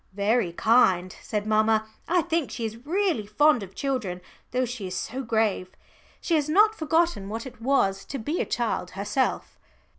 "Very kind," said mamma. "I think she is really fond of children though she is so grave. She has not forgotten what it was to be a child herself."